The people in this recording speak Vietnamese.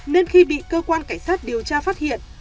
nên khi bị cơ quan cảnh sát điều tra phát hiện